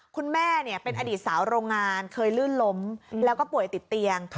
คุณแม่เป็นอดีตสาวโรงงานเคยลื่นล้มแล้วก็ป่วยติดเตียง